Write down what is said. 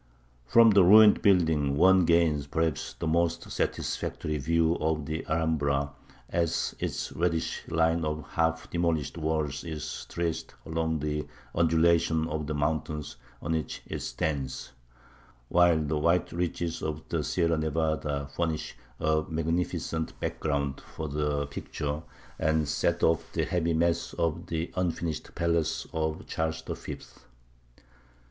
From the ruined building one gains, perhaps, the most satisfactory view of the Alhambra, as its reddish line of half demolished walls is traced along the undulations of the mountain on which it stands; while the white ridges of the Sierra Nevada furnish a magnificent background for the picture, and set off the heavy mass of the unfinished palace of Charles the Fifth.